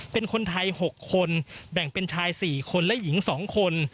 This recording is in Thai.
เป็นคนไทย๖คนแบ่งเป็นชาย๔คนและหญิง๒คน